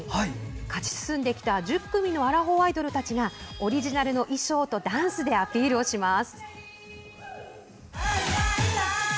勝ち進んできた１０組のアラフォーアイドルたちがオリジナルの衣装とダンスでアピールをします。